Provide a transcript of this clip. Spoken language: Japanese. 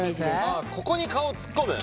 ああここに顔を突っ込む？